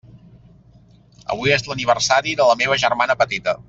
Avui és l'aniversari de la meva germana petita.